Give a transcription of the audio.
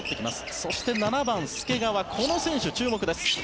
そして、７番介川この選手、注目です。